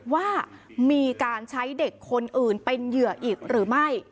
ว่ามีการใช้เด็กคนอื่นเป็นเหยื่ออีกหรือไม่